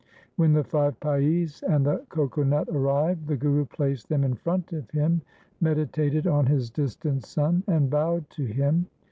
When the five paise and the coco nut arrived, the Guru placed them in front of him, meditated on his distant son, and bowed to him.